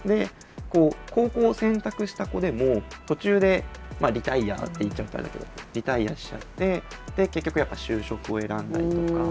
高校を選択した子でも途中でリタイアって言っちゃうとあれだけどリタイアしちゃって結局やっぱ就職を選んだりとか。